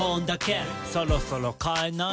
「そろそろ変えない？